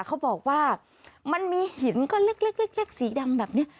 เขาบอกว่ามันมีหินก้อนเล็กสีดำแบบนี้